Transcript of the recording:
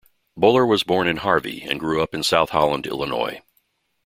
Boller was born in Harvey, and grew up in South Holland, Illinois.